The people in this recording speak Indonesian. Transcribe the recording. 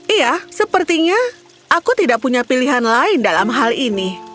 iya sepertinya aku tidak punya pilihan lain dalam hal ini